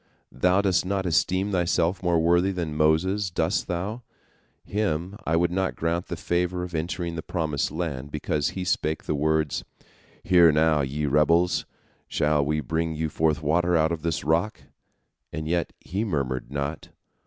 Thou dost not esteem thyself more worthy than Moses, dost thou? Him I would not grant the favor of entering the promised land, because he spake the words, 'Hear now, ye rebels; shall we bring you forth water out of this rock?' And yet he murmured not.